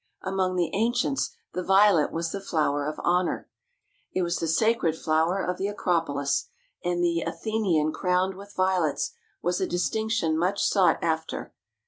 Among the ancients the Violet was the flower of honor. It was the sacred flower of the Acropolis, and the "Athenian crowned with Violets" was a distinction much sought after.